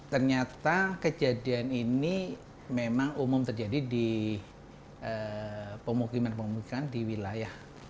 ternyata kejadian ini memang umum terjadi di pemukiman pemukiman di wilayah